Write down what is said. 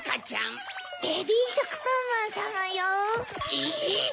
えっ⁉